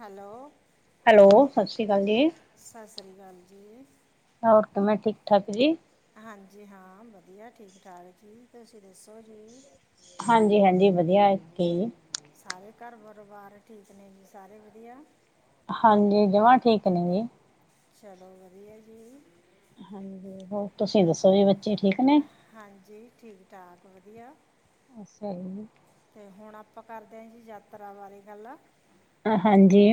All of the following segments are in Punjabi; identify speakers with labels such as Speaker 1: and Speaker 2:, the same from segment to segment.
Speaker 1: ਹੈਲੋ।
Speaker 2: ਹੈਲੋ, ਸਤਿ ਸ਼੍ਰੀ ਅਕਾਲ ਜੀ।
Speaker 1: ਸਤਿ ਸ਼੍ਰੀ ਅਕਾਲ ਜੀ।
Speaker 2: ਹੋਰ ਕਿਵੇਂ ਠੀਕ-ਠਾਕ ਜੀ।
Speaker 1: ਹਾਂਜੀ। ਹਾਂ ਵਧੀਆ ਠੀਕ-ਠਾਕ ਜੀ ਤੁਸੀਂ ਦੱਸੋ ਜੀ।
Speaker 2: ਹਾਂਜੀ। ਹਾਂਜੀ। ਵਧੀਆ ਕੀ
Speaker 1: ਸਾਰੇ ਘਰ ਪਰਿਵਾਰ ਠੀਕ ਨੇ ਜੀ ਸਾਰੇ ਵਧੀਆ।
Speaker 2: ਹਾਂਜੀ। ਜਮਾ ਠੀਕ ਨੇ ਜੀ।
Speaker 1: ਚਲੋ ਵਧੀਆ ਜੀ।
Speaker 2: ਹਾਂਜੀ ਹੋਰ ਤੁਸੀਂ ਦੱਸੋ ਜੀ ਠੀਕ ਨੇ
Speaker 1: ਹਾਂਜੀ। ਠੀਕ ਠਾਕ ਵਧੀਆ।
Speaker 2: ਅੱਛਾ ਜੀ।
Speaker 1: ਅਤੇ ਹੁਣ ਆਪਾਂ ਕਰਦੇ ਹਾ ਜੀ ਯਾਤਰਾ ਬਾਰੇ ਗੱਲ ਆ
Speaker 2: ਹਾਂਜੀ।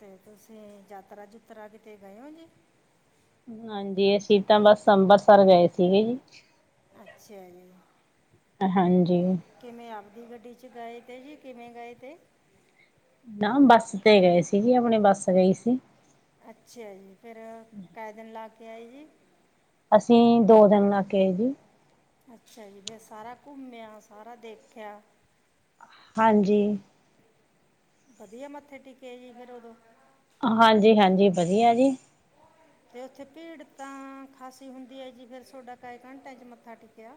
Speaker 1: ਤੇ ਤੁਸੀਂ ਯਾਤਰਾ ਜੂਤਰਾ ਕਿਤੇ ਗਏ ਹੋ ਜੀ
Speaker 2: ਹਾਂਜੀ। ਅਸੀਂ ਤਾਂ ਬਸ ਅੰਬਰਸਰ ਗਏ ਸੀਗੇ ਜੀ।
Speaker 1: ਅੱਛਾ ਜੀ।
Speaker 2: ਹਾਂਜੀ।
Speaker 1: ਦੀ ਗੱਡੀ ਚ ਗਏ ਤੇ ਜੀ ਕਿਵੇਂ ਗਏ ਤੇ।
Speaker 2: ਨਾ ਬੱਸ ਤੇ ਗਏ ਸੀ ਜੀ ਆਪਣੀ ਬੱਸ ਗਈ ਸੀ।
Speaker 1: ਅੱਛਾ ਜੀ। ਫੇਰ ਕਹਿ ਦਿਨ ਲਾ ਕੇ ਆਏ ਜੀ।
Speaker 2: ਅਸੀਂ ਦੋ ਦਿਨ ਲਾ ਕੇ ਜੀ।
Speaker 1: ਅੱਛਾ ਜੀ। ਫਿਰ ਸਾਰਾ ਘੁੰਮਿਆ ਸਾਰਾ ਦੇਖਿਆ।
Speaker 2: ਹਾਂਜੀ।
Speaker 1: ਵਧੀਆ ਮੱਥੇ ਟੇਕੇ ਜੀ ਫਿਰ ਉਦੋਂ।
Speaker 2: ਹਾਂਜੀ, ਹਾਂਜੀ। ਵਧੀਆ ਜੀ।
Speaker 1: ਤੇ ਉੱਥੇ ਭੀੜ ਤਾਂ ਖਾਸੀ ਹੁੰਦੀ ਹੈ ਜੀ ਫੇਰ ਤੁਹਾਡਾ ਕੈ ਘੰਟਿਆਂ ਚ ਮੱਥਾ ਟੇਕਿਆ।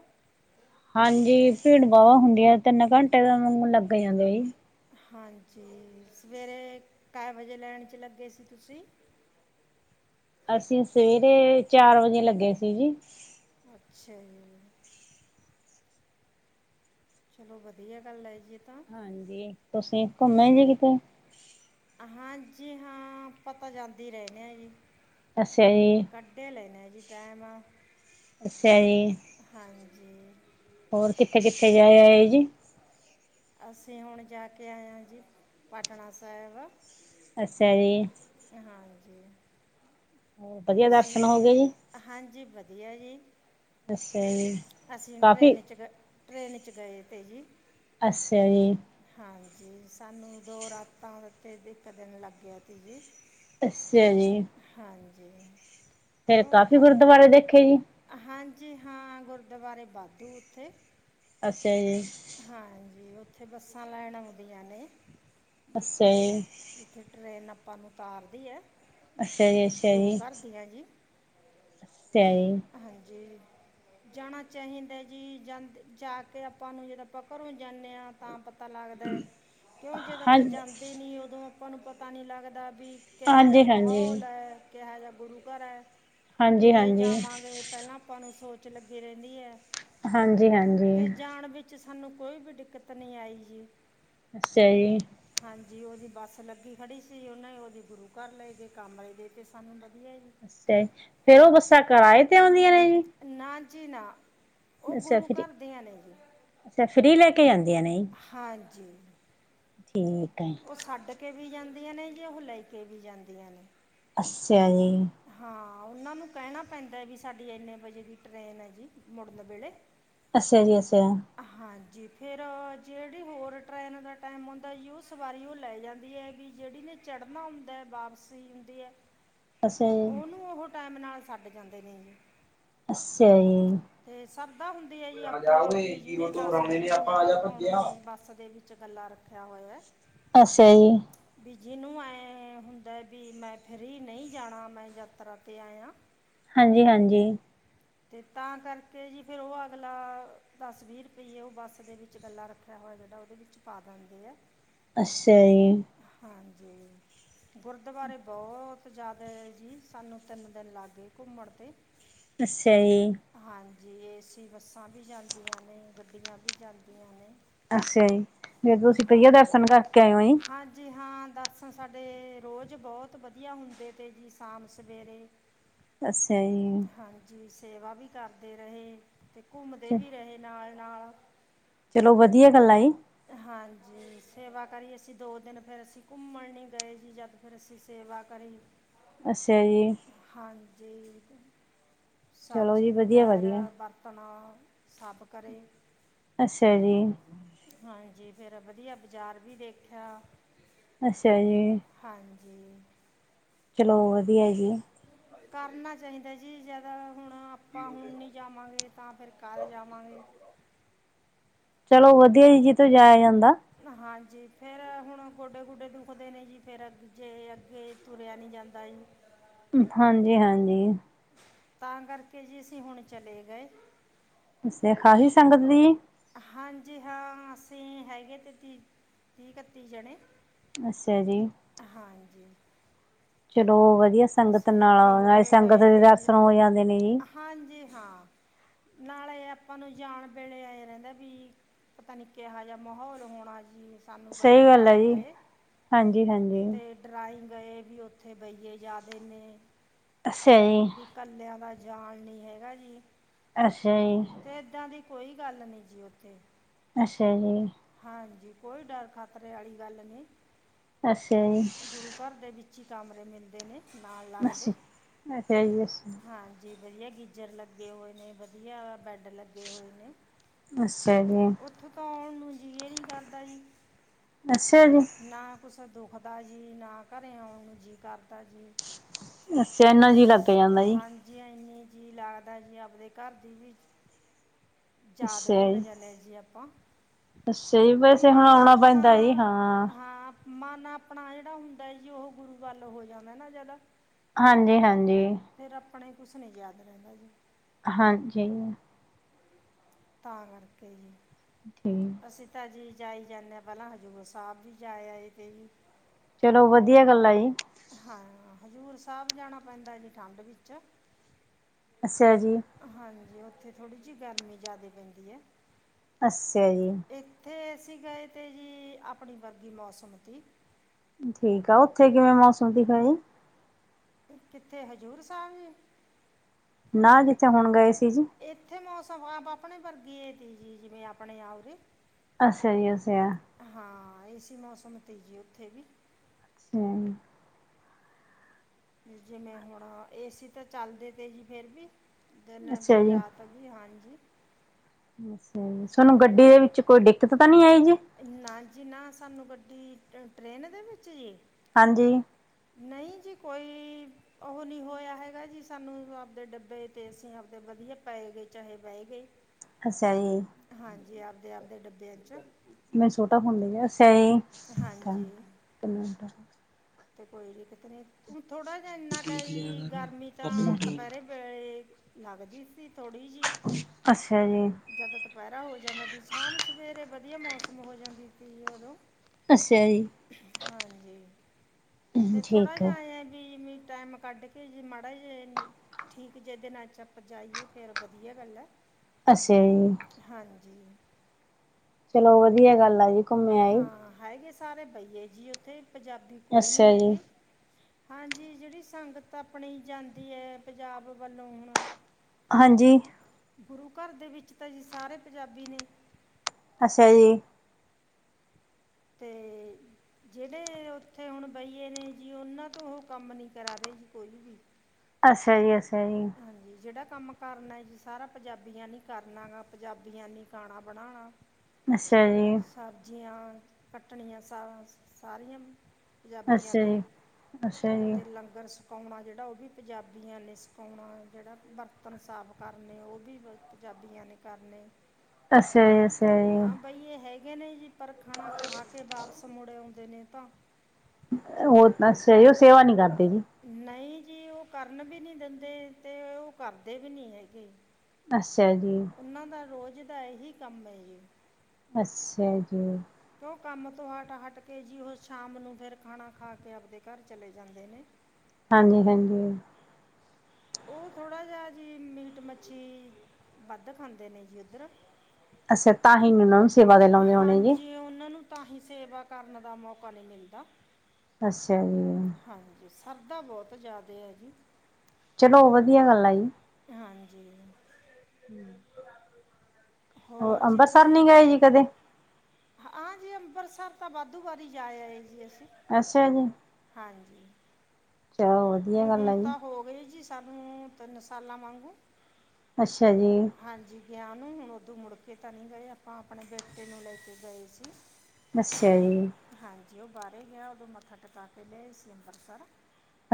Speaker 2: ਹਾਂਜੀ ਭੀੜ ਵਾਵਾ ਹੁੰਦੀ ਆ ਤਿੰਨ ਘੰਟੇ ਤਾਂ ਮੈਨੂੰ ਲੱਗ ਜਾਂਦੇ ਆ ਜੀ।
Speaker 1: ਹਾਂਜੀ ਸਵੇਰੇ ਕੈ ਵਜੇ ਲੈਣ ਚ ਲੱਗੇ ਸੀ ਤੁਸੀਂ
Speaker 2: ਅਸੀਂ ਸਵੇਰੇ ਚਾਰ ਵਜੇ ਲੱਗੇ ਸੀ ਜੀ।
Speaker 1: ਅੱਛਾ ਜੀ। ਚਲੋ ਵਧੀਆ ਗੱਲ ਹੈ ਜੀ। ਤਾਂ
Speaker 2: ਹਾਂਜੀ ਤੁਸੀਂ। ਘੁੰਮੇ ਜੀ ਕਿਤੇ।
Speaker 1: ਹਾਂਜੀ ਹਾਂ ਆਪਾਂ ਤਾਂ ਜਾਂਦੇ ਹੀ ਰਹਿੰਦੇ ਆ ਜੀ।
Speaker 2: ਅੱਛਾ ਜੀ,
Speaker 1: ਕੱਢੇ ਲੈ ਨੇ। [unintelligible] ਟਾਈਮ ਆ।
Speaker 2: ਅੱਛਾ ਜੀ। ਹੋਰ ਕਿੱਥੇ ਕਿੱਥੇ ਜਾਏ ਆ ਜੀ।
Speaker 1: ਅਸੀਂ ਹੁਣ ਜਾ ਕੇ ਆਏ ਆ ਜੀ ਪਟਨਾ ਸਾਹਿਬ।
Speaker 2: ਅੱਛਾ ਜੀ।
Speaker 1: ਹਾਂਜੀ
Speaker 2: ਹੋਰ ਵਧੀਆ
Speaker 1: ਅਸੀਂ
Speaker 2: ਦਰਸ਼ਨ ਹੋ ਗਏ ਜੀ।
Speaker 1: ਹਾਂਜੀ ਵਧੀਆ ਜੀ।
Speaker 2: [unintelligible] ਤੇ
Speaker 1: ਅਸੀਂ
Speaker 2: ਕਾਫ਼ੀ
Speaker 1: ਟ੍ਰੇਨ 'ਚ ਗ ਟ੍ਰੇਨ ਚ ਗਏ ਤੇ ਜੀ।
Speaker 2: ਅੱਛਾ ਜੀ।
Speaker 1: ਸਾਨੂੰ ਦੋ ਰਾਤਾਂ ਅਤੇ ਇੱਕ ਦਿਨ ਲੱਗ ਗਿਆ ਤੀ ਜੀ।
Speaker 2: ਅ ਅੱਛਾ ਜੀ
Speaker 1: [unintelligible]
Speaker 2: ਫੇਰ
Speaker 1: ਕਿਉਂ
Speaker 2: ਕਾਫੀ
Speaker 1: ਖਾ
Speaker 2: ਗੁਰਦੁਆਰੇ ਦੇਖੇ ਜੀ?
Speaker 1: ਹਾਂਜੀ ਹਾਂ, ਗੁਰਦੁਆਰੇ ਵਾਧੂ ਉੱਥੇ
Speaker 2: ਅੱਛਾ ਜੀ
Speaker 1: ਹਾਂਜੀ ਇੱਥੇ ਬੱਸਾਂ ਲੈਣ ਆਉਂਦੀਆਂ ਨੇ।
Speaker 2: ਅੱਛਾ ਜੀ
Speaker 1: ਇੱਥੇ ਟ੍ਰੇਨ ਆਪਾਂ ਨੂੰ ਉਤਾਰਦੀ ਹੈ।
Speaker 2: ਅੱਛਾ ਜੀ-ਅੱਛਾ
Speaker 1: ਗੁਰੂ
Speaker 2: ਜੀ
Speaker 1: ਘਰ ਦੀਆਂ ਜੀ
Speaker 2: ਅੱਛਾ ਜੀ।
Speaker 1: ਹਾਂਜੀ ਜਾਣਾ ਚਾਹੀਦਾ ਜੀ ਜਾਂਦੇ ਜਾ ਕੇ ਆਪਾਂ ਨੂੰ ਜਿਹੜਾ ਆਪਾਂ ਘਰੋਂ ਜਾਣੇ ਆ ਤਾਂ ਪਤਾ ਲੱਗਦਾ, ਕਿਉਂ ਜਦੋਂ ਆਪਾਂ
Speaker 2: ਹਾਂਜੀ,
Speaker 1: ਜਾਂਦੇ ਨਹੀਂ ਉਦੋਂ ਆਪਾਂ ਨੂੰ ਪਤਾ ਨਹੀਂ ਲੱਗਦਾ ਭੀ ਕਿਹੋ ਜਹਾ
Speaker 2: ਹਾਂਜੀ-ਹਾਂਜੀ,
Speaker 1: ਮਾਹੌਲ ਐ। ਕਿਹੋ ਜਿਹਾ ਗੁਰੂ ਘਰ ਹੈ। ਕਿਵੇਂ
Speaker 2: ਹਾਂਜੀ-ਹਾਂਜੀ,
Speaker 1: ਜਾਵਾਂਗੇ ਪਹਿਲਾਂ ਆਪਾਂ ਨੂੰ ਸੋਚ ਵਿੱਚ ਲੱਗੀ ਰਹਿੰਦੀ ਹੈ।
Speaker 2: ਹਾਂਜੀ ਹਾਂਜੀ
Speaker 1: ਤੇ ਜਾਣ ਵਿੱਚ ਸਾਨੂੰ ਕੋਈ ਵੀ ਦਿੱਕਤ ਨੀ ਆਈ ਜੀ।
Speaker 2: ਅੱਛਾ ਜੀ।
Speaker 1: ਹਾਂਜੀ ਉਹਦੀ ਬੱਸ ਲੱਗੀ ਖੜੀ ਸੀ। ਉਹਨੇ ਉਹਦੀ ਗੁਰੂ ਕਰ ਲਏ ਗਏ। ਕਾਮਰੇ ਦੇ ਤੇ ਸਾਨੂੰ ਵਧੀਆ ਜੀ
Speaker 2: ਅੱਛਾ ਜੀ ਫੇਰ ਉਹ ਬੱਸਾਂ ਕਰਾਏ ਤੇ ਆਉਂਦੀਆਂ ਨੇ? ਜੀ
Speaker 1: ਨਾ ਜੀ ਨਾ ਉਹ
Speaker 2: ਅੱਛਾ
Speaker 1: ਗੁਰੂ
Speaker 2: ਫ੍ਰੀ,
Speaker 1: ਘਰ ਦੀਆਂ ਨੇ ਜੀ
Speaker 2: ਅੱਛਾ ਫ੍ਰਰੀ ਲੈ ਕੇ ਜਾਂਦੇਆਂ ਨੇ।
Speaker 1: ਹਾਂਜੀ
Speaker 2: ਠੀਕ ਹੈ
Speaker 1: ਉਹ ਛੱਡ ਕੇ ਵੀ ਜਾਂਦੀਆਂ ਨੇ, ਜੇ ਉਹ ਲੈ ਕੇ ਵੀ ਜਾਂਦੀਆਂ ਨੇ।
Speaker 2: ਅੱਸ਼ਾ ਜੀ।
Speaker 1: ਹਾਂ ਉਹਨਾਂ ਨੂੰ ਕਹਿਣਾ ਪੈਂਦਾ ਵੀ ਸਾਡੀ ਇੰਨੇ ਵਜੇ ਦੀ ਟੇਨ ਹੈ ਜੀ, ਮੁੜਨ ਵੇਲੇ।
Speaker 2: ਅੱਛਾ ਜੀ ਅੱਛਾ
Speaker 1: ਜੀ ਫਿਰ ਜਿਹੜੀ ਹੋਰ ਟ੍ਹੇਨ ਦਾ ਟਾਈਮ ਆਉਂਦਾ ਜੀ ਉਹ ਸਵਾਰੀ ਉਹ ਲੈ ਜਾਂਦੀ ਹੈ। ਵੀ ਜਿਹੜੀ ਨੇ ਚੜ੍ਹਨਾ ਹੁੰਦਾ ਵਾਪਸੀ ਹੁੰਦੀ ਹੈ।
Speaker 2: ਅੱਛਾ ਜੀ
Speaker 1: ਉਹਨੂੰ ਉਹ ਟਾਈਮ ਨਾਲ ਛੱਡ ਜਾਂਦੇ ਨੇ ਜੀ
Speaker 2: ਅੱਛਾ ਜੀ
Speaker 1: ਤੇ ਸਰਦਾ ਹੁੰਦੀ ਹੈ। ਜੀ ਆਪੋ ਆਪਦੀ ਜਿਹਨੇ ਦੱਸ ਵੀਹ ਪੰਜਾਹ ਪਾਉਣੇ ਨੇ ਬੱਸ ਦੇ ਵਿੱਚ ਗੱਲਾਂ ਰੱਖਿਆ ਹੋਇਆ ਹੈ।
Speaker 2: ਅੱਛਾ ਜੀ
Speaker 1: ਵੀ ਜਿਹਨੂੰ ਐ ਹੁੰਦਾ ਵੀ ਮੈਂ ਫਰੀ ਨਹੀ ਜਾਣਾ ਮੈਂ ਯਾਤਰਾ ਤੇ ਆਇਆ
Speaker 2: ਹਾਂਜੀ ਹਾਂਜੀ
Speaker 1: ਤੇ ਤਾਂ ਕਰਕੇ ਜੀ ਫਿਰ ਉਹ ਅਗਲਾ ਦਸ ਵੀਹ ਰੁਪਈਏ ਉਹ ਬੱਸ ਦੇ ਵਿੱਚ ਗੱਲਾ ਰੱਖਿਆ ਹੋਇਆ ਜਿਹੜਾ ਉਹਦੇ ਵਿੱਚ ਪਾਦਿੰਦੇ ਆ।
Speaker 2: ਅੱਛਾ ਜੀ
Speaker 1: ਹਾਂਜੀ ਗੁਰਦੁਆਰੇ ਬਹੁਤ ਜ਼ਿਆਦਾ ਜੀ ਸਾਨੂੰ ਤਿੰਨ ਦਿਨ ਲੱਗ ਗਏ ਘੁੰਮਣ ਤੇ
Speaker 2: ਅਛਾ ਜੀ
Speaker 1: ਜੀ ਏ ਸੀ ਬਸਾ ਵੀ ਜਾਂਦੀਆਂ ਨੇ ਗੱਡੀਆਂ ਵੀ ਜਾਂਦੀਆਂ ਨੇ।
Speaker 2: ਅੱਛਾ ਜੀ ਫੇਰ ਤੁਸੀਂ ਪਹਿਆ
Speaker 1: ਹਾਂਜੀ
Speaker 2: ਦਰਸ਼ਨ ਕਰਕੇ ਆਏਓ ਜੀ
Speaker 1: ਹਾਂਜੀ ਹਾਂ ਦਰਸ਼ਨ ਸਾਡੇ ਰੋਜ਼ ਬਹੁਤ ਵਧੀਆ ਹੁੰਦੇ ਤੇ ਜੀ ਸ਼ਾਮ ਸਵੇਰੇ
Speaker 2: ਅੱਛਾ ਜੀ।
Speaker 1: ਹਾਂਜੀ ਸੇਵਾ ਵੀ ਕਰਦੇ ਰਹੇ ਤੇ ਘੁੰਮਦੇ ਵੀ ਰਹੇ ਨਾਲ ਨਾਲ
Speaker 2: ਚਲੋ ਵਧੀਆ ਗੱਲਾਂ ਇ।
Speaker 1: ਹਾਂਜੀ ਸੇਵਾ ਕਰੀ ਅਸੀ ਦੋ ਦਿਨ ਫੇਰ ਅਸੀ ਘੁੰਮਣ ਨੀ ਗਏ ਜੀ ਜਦ ਫੇਰ ਅਸੀ ਸੇਵਾ ਕਰੀ
Speaker 2: ਅੱਛਾ ਜੀ
Speaker 1: ਹਾਂਜੀ।
Speaker 2: ਚਲੋ ਜੀ
Speaker 1: ਸਬਜ਼ੀ
Speaker 2: ਵਧੀਆ ਵਧੀਆ
Speaker 1: ਵਗੈਰਾ ਬਰਤਨ ਸਭ ਕਰੇ
Speaker 2: ਅੱਛਾ ਜੀ।
Speaker 1: ਹਾਂਜੀ ਫੇਰ ਵਧੀਆ ਬਾਜ਼ਾਰ ਵੀ ਦੇਖਿਆ।
Speaker 2: ਅੱਛਾ ਜੀ।
Speaker 1: ਹਾਂਜੀ
Speaker 2: ਚਲੋ ਵਧੀਆ ਜੀ।
Speaker 1: ਕਰਨਾ ਚਾਹੀਦਾ ਜੀ ਜਿਆਦਾ ਹੁਣ ਆਪਾਂ ਹੁਣ ਨੀ ਜਾਵਾਂਗੇ ਤਾਂ ਫਿਰ ਕੱਦ ਜਾਵਾਂਗੇ-
Speaker 2: ਚਲੋ ਵਧੀਆ ਜੀ ਜਿੱਥੇ ਜਾਇਆ ਜਾਂਦਾ
Speaker 1: ਹਾਂਜੀ। ਫੇਰ ਹੁਣ ਗੋਡੇ ਗੁਡੇ ਦੁਖਦੇ ਨੇ ਜੀ ਫੇਰ ਜੇ ਅੱਗੇ ਤੁਰਿਆ ਨੀ ਜਾਂਦਾ ਜੀ
Speaker 2: ਹਾਂਜੀ -ਹਾਂਜੀ।
Speaker 1: ਤਾਂ ਕਰਕੇ ਜੀ ਅਸੀ ਹੁਣ ਚਲੇ ਗਏ।
Speaker 2: [unintelligible]
Speaker 1: ਜੀ ਹਾਂ ਅਸੀਂ ਹੈਗੇ ਤੇ, ਤੀਹ, ਤੀਹ ਇਕੱਤੀ ਜਣੇ।
Speaker 2: ਅੱਛਾ ਜੀ।
Speaker 1: ਹਾਂਜੀ
Speaker 2: ਚਲੋ ਵਧੀਆ ਵਧੀਆ ਸੰਗਤ
Speaker 1: ਅਸੀਂ ਇਕੱਠੇ
Speaker 2: ਨਾਲ,
Speaker 1: ਹੋ
Speaker 2: ਨਾਲੇ
Speaker 1: ਕੇ
Speaker 2: ਸੰਗਤ
Speaker 1: ਗਏ
Speaker 2: ਦੇ
Speaker 1: ਤੇ ਜੀ
Speaker 2: ਦਰਸ਼ਨ ਹੋ ਜਾਂਦੇ ਨੇ ਜੀ।
Speaker 1: ਹਾਂਜੀ ਹਾਂ ਨਾਲੇ ਆਪਾਂ ਨੂੰ ਜਾਣ ਵੇਲੇ ਇਹ ਰਹਿੰਦਾ ਵੀ ਪਤਾ ਨੀ ਕਿਹੋ ਜਿਹਾ ਮਾਹੌਲ ਹੋਣਾ ਜੀ। ਸਾਨੂੰ ਪਹਿਲਾਂ
Speaker 2: ਸਹੀ ਗੱਲ ਹੈ
Speaker 1: ਡਰਾਈ
Speaker 2: ਜੀ,
Speaker 1: ਗਏ,
Speaker 2: ਹਾਂਜੀ-ਹਾਂਜੀ,
Speaker 1: ਤੇ ਡਰਾਈ ਗਏ ਵੀ ਉੱਥੇ ਬਈਏ ਜ਼ਿਆਦੇ ਨੇ
Speaker 2: ਅੱਛਾ ਜੀ।
Speaker 1: ਵੀ ਕੱਲਿਆ ਵਾ ਜਾਣ ਨੀ ਹੈਗਾ ਜੀ।
Speaker 2: ਅੱਛਾ। ਜੀ,
Speaker 1: ਤੇ ਏਦਾਂ ਦੀ ਕੋਈ ਗੱਲ ਨੀ ਜੀ ਉੱਥੇ
Speaker 2: ਅੱਛਾ ਜੀ।
Speaker 1: ਹਾਂਜੀ। ਕੋਈ ਡਰ ਖਤਰੇ ਵਾਲੀ ਗੱਲ ਨਹੀਂ।
Speaker 2: ਅੱਛਾ। ਜੀ,
Speaker 1: ਗੁਰੂ ਘਰ ਦੇ ਵਿੱਚ ਅੱਚੇ ਕਮਰੇ ਮਿਲਦੇ ਨੇ ਨਾਲ
Speaker 2: ਅੱਛਾ
Speaker 1: ਲੱਗਦੇ
Speaker 2: ਅਛਾ ਆ ਅੱਛਾ
Speaker 1: ਹਾਂਜੀ ਵਧੀਆ ਗੀਜਰ ਲੱਗੇ ਹੋਏ ਨੇ ਵਧੀਆ ਬੈਡ ਲੱਗੇ ਹੋਏ ਨੇ।
Speaker 2: ਅੱਛਾ ਜੀ,
Speaker 1: ਉੱਥੋਂ ਤਾਂ ਆਉਣ ਨੂੰ ਜੀ ਇਹ ਨੀ ਕਰਦਾ ਜੀ।
Speaker 2: ਅੱਛਾ ਜੀ।
Speaker 1: ਨਾ ਕੁਛ [unintelligible] ਦਾ ਜੀ ਨਾ ਘਰੇ ਆਉਣ ਨੂੰ ਜੀਅ ਕਰਦਾ ਜੀ।
Speaker 2: ਸਿਆਨਾ ਜੀ ਲੱਗ ਜਾਂਦਾ ਜੀ।
Speaker 1: ਜੀਅ ਲੱਗਦਾ ਜੀ ਆਪਣੇ ਘਰ ਦੀ ਵੀ ਯਾਦ
Speaker 2: ਅੱਛਾ
Speaker 1: ਭੁੱਲ
Speaker 2: ਜੀ।
Speaker 1: ਜਾਂਦੇ ਜੀ ਆਪਾਂ
Speaker 2: ਅੱਛਾ ਜੀ।
Speaker 1: ਕਿਉਂ
Speaker 2: ਵੈਸੇ ਹੁਣ
Speaker 1: ਮਨ
Speaker 2: ਆਉਣਾ
Speaker 1: ਆਪਣਾ
Speaker 2: ਪੈਂਦਾ ਹਾਂ।
Speaker 1: ਹਾਂ ਮਨ ਆਪਣਾ ਜਿਹੜਾ ਹੁੰਦਾ ਹੈ। ਜੀ ਉਹ ਗੁਰੂ ਵੱਲ ਹੋ ਜਾਂਦਾ ਨਾ ਜਿਆਦਾ
Speaker 2: ਹਾਂਜੀ, ਹਾਂਜੀ।
Speaker 1: ਆਪਣੇ ਕੁਛ ਨੀ ਯਾਦ ਰਹਿੰਦਾ ਜੀ।
Speaker 2: ਹਾਂਜੀ।
Speaker 1: ਤਾਂ ਕਰਕੇ ਜੀ।
Speaker 2: ਠੀਕ
Speaker 1: ਅਸੀਂ ਤਾਂ ਜੀ। ਜਾਈ ਜਾਂਦੇ ਹ ਪਹਿਲਾਂ ਹਜ਼ੂਰ ਸਾਹਿਬ ਜੀ ਜਾਏ ਆਏ ਤੇ
Speaker 2: ਚਲੋ ਵਧੀਆ ਗੱਲਾਂ ਜੀ
Speaker 1: ਹਾਂ ਹਜ਼ੂਰ ਸਾਹਿਬ ਜਾਣਾ ਪੈਂਦਾ ਜੀ ਠੰਡ ਵਿੱਚ
Speaker 2: ਅੱਛਾ ਜੀ-
Speaker 1: ਹਾਂਜੀ ਉੱਥੇ ਥੋੜੀ ਜਿਹੀ ਗਰਮੀ ਜਿਆਦਾ ਪੈਂਦੀ ਹੈ
Speaker 2: ਅੱਛਾ ਜੀ
Speaker 1: ਇੱਥੇ ਅਸੀਂ ਗਏ ਤੇ ਜੀ ਆਪਣੀ ਵਰਗੀ ਮੌਸਮ ਤੇ
Speaker 2: ਠੀਕ ਆ ਉੱਥੇ ਕਿਵੇਂ ਮੌਸਮ ਦੀ ਖਣੀ
Speaker 1: ਕਿੱਥੇ ਹਜ਼ੂਰ ਸਾਹਿਬ ਜੀ
Speaker 2: ਨਾ ਜਿੱਥੇ ਹੁਣ ਗਏ ਸੀ ਜੀ,
Speaker 1: ਇੱਥੇ ਮੌਸਮ ਆਪਣੇ ਵਰਗੇ ਤੇ ਜੀ ਜਿਵੇਂ ਆਪਣੇ ਆਓਰੇ
Speaker 2: ਅੱਛਾ ਜੀ ਅੱਛਾ
Speaker 1: ਏ ਮੌਸਮ ਤੇ ਠੀਕ ਉੱਥੇ ਵੀ
Speaker 2: ਹੂੰ
Speaker 1: ਜਿਵੇਂ ਹੁਣ ਏਸੀ ਤਾਂ ਚੱਲਦੇ ਤੇ ਜੀ ਫੇਰ ਵੀ ਦਿਨ
Speaker 2: ਅੱਛਾ
Speaker 1: ਵੀ
Speaker 2: ਜੀ,
Speaker 1: ਰਾਤ ਵੀ ਹਾਂਜੀ [inaudible]
Speaker 2: ਅੱਛਾ ਤੁਾਨੂੰ ਗੱਡੀ ਦੇ ਵਿੱਚ ਕੋਈ ਦਿੱਕਤ ਤਾਂ ਨਹੀਂ ਆਈ ਜੀ?
Speaker 1: ਨਾਜੀ ਨਾ ਸਾਨੂੰ ਗੱਡੀ, ਟਰੇਨ ਦੇ ਵਿੱਚ ਜੀੇ
Speaker 2: ਹਾਂਜੀ।
Speaker 1: ਨਹੀਂ ਜੀ ਕੋਈ ਉਹ ਨਹੀਂ ਹੋਇਆ ਹੈਗਾ ਜੀ ਸਾਨੂੰ ਆਪਦੇ ਡੱਬੇ ਤੇ ਏ ਸੀਂ ਆਪਦੇ ਵਧੀਆ ਪਏ ਰਏ ਚਾਹੇ ਬਹਿ ਗਏ
Speaker 2: ਅੱਛਾ [inaudible]
Speaker 1: ਹਾਂਜੀ ਆਪਦੇ ਆਪਦੇ ਡੱਬਿਆਂ ਚ
Speaker 2: ਹੁੰਦੇ ਹੈ ਅਸੀਂ ਸਹੀ
Speaker 1: ਤੇ ਕੋਈ ਨ ਕਿਤੇ ਨੇ ਹੁਣ ਥੋੜ੍ਹਾ ਜੀ ਇੰਨਾ ਕ ਜੀ ਗਰਮੀ ਤਾਂ ਦੁਪਹਿਰੇ ਵੇਲੇ ਲਗਦੀ ਸੀ। ਥੋੜੀ ਜਿ
Speaker 2: ਜੀ,
Speaker 1: ਜਦ ਦੁਪਹਿਰਾ ਹੋ ਜਾਂਦਾ ਸੀ ਸ਼ਾਮ ਸਵੇਰੇ ਵਧੀਆ ਮੌਸਮ ਹੋ ਜਾਂਦੀ ਸੀ ਉਦੋਂ
Speaker 2: ਅੱਛਾ ਜੀ।
Speaker 1: ਹਾਂਜੀ। ਤੇ ਥੋੜਾ
Speaker 2: ਠੀਕ
Speaker 1: ਜਿਹਾ
Speaker 2: ਹੈ।
Speaker 1: ਆਏ ਵੀ ਮ ਟੈਮ ਕੱਢ ਕੇ ਜੀ ਮਾੜਾ ਜੇ ਠੀਕ ਜੇ ਦਿਨ ਨਾਲ ਚ ਆਪਾਂ ਜਾਈਏ ਫੇਰ ਵਧੀਆ ਗੱਲ ਹੈ।
Speaker 2: ਅਛਾ ਜੀ।
Speaker 1: ਹਾਂਜੀ
Speaker 2: ਚਲੋ ਵਧੀਆ ਗੱਲ ਜੀ ਘੁੰਮੇ ਆਏ
Speaker 1: ਹਾਂ ਹੈਗੇ ਸਾਰੇ ਬਈਏ ਜੀ ਉੱਥੇ ਪੰਜਾਬੀ ਕੋਈ ਨੀ
Speaker 2: ਅੱਛਾ ਜੀ।
Speaker 1: ਹੈਗੇ। ਹਾਂਜੀ, ਜਿਹੜੀ ਸੰਗਤ ਆਪਣੀ ਜਾਂਦੀ ਹੈ, ਪੰਜਾਬ ਵੱਲੋਂ ਹੁਣ
Speaker 2: ਹਾਂਜੀ।
Speaker 1: ਗੁਰੂ ਘਰ ਦੇ ਵਿੱਚ ਤਾਂ ਜੀ ਸਾਰੇ ਪੰਜਾਬੀ ਨੇ।
Speaker 2: ਅੱਛਾ ਜੀ।
Speaker 1: ਤੇ ਜਿਹੜੇ ਉੱਥੇ ਹੁਣ ਬਈਏ ਨੇ, ਜੀ ਉਹਨਾਂ ਤੋਂ ਉਹ ਕੰਮ ਨੀ ਕਰਾ ਰਹੇ ਜੀ ਕੋਈ ਵੀ।
Speaker 2: ਅੱਛਾ ਜ ਨਹੀਂ।
Speaker 1: ਹਾਂਜੀ ਜਿਹੜਾ ਕੰਮ ਕਰਨਾ ਜੀ ਸਾਰਾ ਪੰਜਾਬੀਆਂ ਨੀ ਕਰਨਾ ਗਾ, ਪੰਜਾਬੀਆਂ ਨੇ ਖਾਣਾ ਬਣਾਉਣਾ।
Speaker 2: ਅੱਛਾ ਜੀ।
Speaker 1: ਸਬਜ਼ੀਆਂ ਕੱਟਣੀਆਂ ਸਾਰ ਸਾਰੀਆਂ।
Speaker 2: ਅੱਛਾ
Speaker 1: ਨੇ
Speaker 2: ਜੀ -ਅੱਛਾ ਜੀ।
Speaker 1: ਕਾਉਣਾ ਜਿਹੜਾ ਉਹ ਵੀ ਪੰਜਾਬੀਆਂ ਨੇ। ਪਾਉਣਾ ਜਿਹੜਾ ਬਰਤਨ ਸਾਫ਼ ਕਰਨੇ ਉਹ ਵੀ ਪੰਜਾਬੀਆਂ ਨੇ ਕਰਨੇ।
Speaker 2: ਅੱਛਾ ਜੀ।
Speaker 1: ਹਾਂ,
Speaker 2: ਜੀ।
Speaker 1: ਬਈਏ ਹੈਗ ਅਗੇ ਨਹੀਂ ਜੀ। ਪਰ ਖਾਣਾ ਖਾ ਕੇ ਵਾਪਸ ਮੁੜੇ ਆਦੇ ਨੇ, ਤਾਂ
Speaker 2: ਉਹ ਤਾਂ ਸਹੀ ਉਹ ਸੇਵਾ ਨੀ ਕਰਦਾ।
Speaker 1: ਨਹੀਂ। ਜੀ ਉਹ ਕਰਨ ਵੀ ਨੀ ਦਿੰਦੇ ਤੇ ਉਹ ਕਰਦੇ ਵੀ ਨੀ ਹੈਗੇ।
Speaker 2: ਬਸ।
Speaker 1: ਉਹਨਾਂ ਦਾ ਰੋਜ਼ ਦਾ ਇਹੀ ਕੰਮ ਹੈ ਜੀ।
Speaker 2: ਅੱਛਾ ਜੀ।
Speaker 1: ਉਹ ਕੰਮ ਤੋਂ ਹਟ-ਹਟ ਕੇ ਜੀ, ਉਹ ਸ਼ਾਮ ਨੂੰ ਫਿਰ ਖਾਣਾ ਖਾ ਕੇ, ਆਪਦੇ ਘਰ ਚਲੇ ਜਾਂਦੇ ਨੇ।
Speaker 2: ਹਾਂਜੀ-ਹਾਂਜੀ।
Speaker 1: ਉਹ ਥੋੜਾ ਜਿਹਾ ਜੀ ਮੀਟ ਮੱਛੀ ਵੱਧ ਖਾਂਦੇ ਨੇ ਜੀ ਉੱਧਰ।
Speaker 2: ਅੱਛਾ ਤਾਂ ਹੀ ਨ ਸੇਵਾ ਤੇ ਲਾਉਂਦੇ ਹੋਣੇ ਜੇ
Speaker 1: ਹਾਂਜੀ ਉਹਨਾਂ ਨੂੰ ਤਾਂ ਹੀ ਸੇਵਾ ਕਰਨ ਦਾ ਮੌਕਾ ਨਹੀਂ ਮਿਲਦਾ।
Speaker 2: ਅੱਛਾ ਜੀ।
Speaker 1: ਸ਼ਰਧਾ ਬਹੁਤ ਜ਼ਿਆਦਾ ਹੈ ਜੀ।
Speaker 2: ਚਲੋ ਵਧੀਆ ਗੱਲ ਆ ਜੀ।
Speaker 1: ਹਾਂਜੀ।
Speaker 2: ਹੂੰ। ਉਹ
Speaker 1: ਹੋਰ ਜੀ
Speaker 2: ਅੰਬਰਸਰ ਨੀ
Speaker 1: ਤੁਸੀਂ
Speaker 2: ਗਏ ਜੀ ਕਦੇ।
Speaker 1: ਹਾਂ ਜੀ ਅੰਬਰਸਰ ਤਾਂ ਵਾਧੂ ਵਾਰੀ ਜਾਇਆ ਹੈ ਜੀ ਅਸੀਂ।
Speaker 2: ਅੱਛਾ ਜੀ,
Speaker 1: ਹਾਂਜੀ
Speaker 2: ਚਲੋ ਵਧੀਆ
Speaker 1: ਊਂ
Speaker 2: ਗੱਲ
Speaker 1: ਹੁਣ
Speaker 2: ਆ ਜੀ,
Speaker 1: ਤਾਂ ਹੋ ਗਏ ਜੀ ਸਾਨੂੰ ਤਿੰਨ ਸਾਲਾ ਵਾਂਗੂ,
Speaker 2: ਅੱਛਾ ਜੀ,
Speaker 1: ਹਾਂਜੀ ਗਿਆ ਨੂੰ ਹੁਣ ਉਦੋਂ ਮੁੜ ਕੇ ਤਾਂ ਨਹੀਂ ਗਏ ਆਪਾਂ ਆਪਣੇ ਬੇਟੇ ਨੂੰ ਲੈ ਕੇ ਗਏ ਸੀ।
Speaker 2: ਅੱਛਾ ਜੀ,
Speaker 1: ਹਾਂ ਜੀ ਉਹ ਬਾਹਰ ਗਿਆ ਉਦੋਂ ਮੱਥਾ ਟਕਾ ਕੇ ਲਿਆ ਸੀ, ਅੰਭਰਸਰ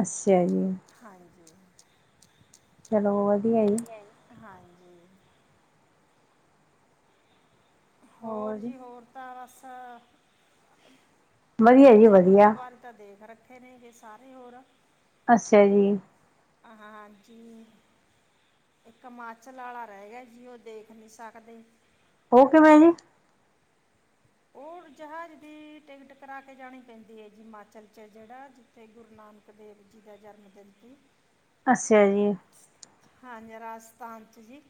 Speaker 2: ਅੱਛਾ ਜੀ, ਚਲੋ ਵਧੀਆ ਜੀ,
Speaker 1: ਹਾਂਜੀ ਹੋਰ ਜੀ ਹੋਰ ਤਾਂ ਬਸ,
Speaker 2: ਵਧੀਆ ਜੀ
Speaker 1: ਦੂਜੇ
Speaker 2: ਵਧੀਆ,
Speaker 1: ਗੁਰਦੁਆਰੇ ਤਾਂ ਦੇਖ ਰੱਖੇ। ਠੀਟ ਨੇ ਗੇ ਸਾਰੇ ਹੋਰ,
Speaker 2: ਅੱਛਾ ਜੀ,
Speaker 1: ਹ ਹਾਂਜੀ ਇੱਕ ਹਿਮਾਚਲ ਵਾਲਾ ਰਹਿ ਗਿਆ ਜੀ ਉਹ ਦੇਖ ਨੀ ਸਕਦੇ।
Speaker 2: ਉਹ ਕਿਵੇਂ ਐ ਜੀ,
Speaker 1: ਉਹ ਜਹਾਜ਼ ਦੀ ਟਿਕਟ ਕਰਾ ਕੇ ਜਾਣੀ ਪੈਂਦੀ ਹੈ ਜੀ ਹਿਮਾਚਲ ਚ ਜਿਹੜਾ ਜਿੱਥੇ ਗੁਰੂ ਨਾਨਕ ਦੇਵ ਜੀ ਦਾ ਜਨਮ ਦਿਨ ਸੀ।
Speaker 2: ਅੱਛਾ ਜੀ।
Speaker 1: ਹਾਂਜੀ ਰਾਜਸਥਾਨ ਚ ਜੀ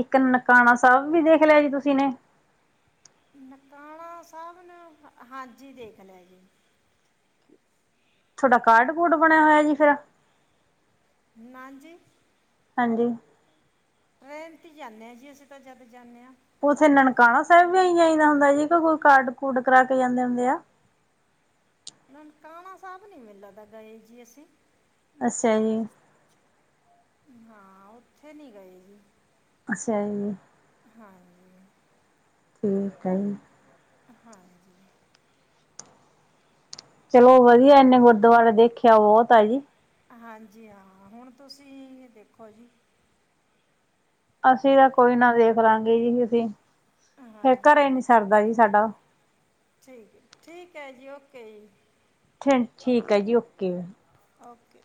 Speaker 2: ਇੱਕ ਨਨਕਾਣਾ ਸਾਹਿਬ ਵੀ ਦੇਖ ਲਿਆ ਜੀ ਤੁਸੀਂ ਨੇ
Speaker 1: ਨਨਕਾਣਾ ਸਾਹਿਬ ਨੂੰ ਹਾਂਜੀ ਦੇਖ ਲਿਆ ਜੀ।
Speaker 2: ਤੁਹਾਡਾ ਕਾਰਡ ਕੂਡ ਬਣਿਆ ਹੋਇਆ ਜੀ ਫਿਰ
Speaker 1: ਨਾਂਜੀ
Speaker 2: ਹਾਂਜੀ।
Speaker 1: ਟ੍ਰੇਨ ਤੇ ਜਾਂਦੇ ਹਾਂ ਜੀ ਅਸੀਂ ਤਾਂ ਜਦ ਜਾਂਦੇ ਹਾਂ।
Speaker 2: ਉੱਥੇ ਨਨਕਾਣਾ ਸਾਹਿਬ ਵੀ ਇ ਆਈਦਾ ਹੁੰਦਾ ਸੀ ਕੋਈ ਕਾਰਡ ਕੂਡ ਕਰਾ ਕੇ ਜਾਂਦੇ ਹੁੰਦੇ ਆ।
Speaker 1: ਨਨਕਾਣਾ ਸਾਹਿਬ ਨੀ ਲਗਦਾ ਗਏ ਜੀ ਅਸੀਂ
Speaker 2: ਅੱਛਾ ਜੀ।
Speaker 1: ਰਾਜਸਥਾਨ ਹਾਂ ਉਥੇ ਨੀ ਗਏ ਜੀ
Speaker 2: ਅੱਛਾ ਜੀ।
Speaker 1: ਹਾਂਜੀ
Speaker 2: ਠੀਕ ਹੈ ਜੀ।
Speaker 1: ਹਾਂਜੀ‌
Speaker 2: ਚਲੋ ਵਧੀਆ ਇਹਨੇ ਗੁਰਦੁਆਰੇ ਦੇਖਿਆ ਬਹੁਤ ਆ ਜੀ।
Speaker 1: ਹਾਂਜੀ ਹਾਂ ਹੁਣ ਤੁਸੀਂ ਦੇਖੋ ਜੀ।
Speaker 2: ਅਸੀਂ ਤਾਂ ਕੋਈ ਨਾ ਦੇਖ ਲਾਂਗੇ ਜੀ ਅਸੀਂ ਫਿਰ ਘਰੇ
Speaker 1: ਹਾਂਜੀ
Speaker 2: ਨੀ ਸਰਦਾ ਜੀ ਸਾਡਾ
Speaker 1: ਠੀਕ ਠੀਕ ਹੈ ਜੀ ਓਕੇ ਜੀ।
Speaker 2: ਠੀਕ ਹੈ ਜੀ ਓਕੇ।
Speaker 1: ਓਕੇ।